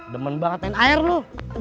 demen banget kan air lu